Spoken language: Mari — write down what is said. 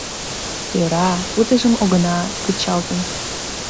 Йӧра, утыжым огына кычалтыл.